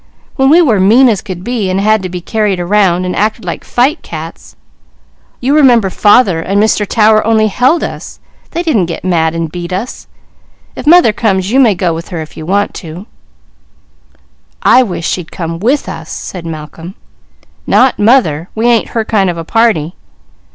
When we were mean as could be, and acted like fight cats, you remember father and Mr. Tower only held us; they didn't get mad and beat us. If mother comes you may go with her if you want to." "I wish she'd come with us!" said Malcolm. "Not mother! We ain't her kind of a party."